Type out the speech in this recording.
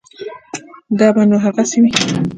دا به نو هغسې وي.